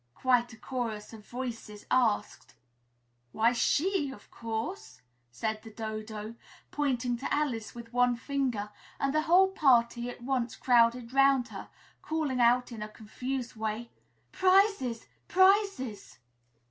quite a chorus of voices asked. "Why, she, of course," said the Dodo, pointing to Alice with one finger; and the whole party at once crowded 'round her, calling out, in a confused way, "Prizes! Prizes!"